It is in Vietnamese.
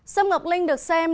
xâm ngọc linh được xem